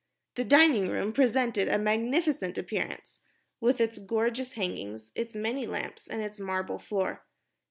The dining room presented a magnificent appearance, with its gorgeous hangings, its many lamps, and its marble floor.